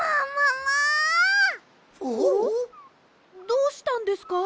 どうしたんですか？